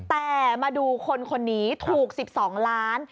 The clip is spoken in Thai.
แต่มาดูคนคนนี้ถูก๑๒ล้าน